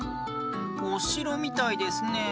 おしろみたいですねえ。